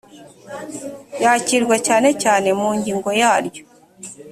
yakirwa cyane cyane mu ngingo yaryo…